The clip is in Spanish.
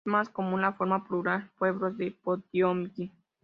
Es más común la forma plural pueblos de Potiomkin.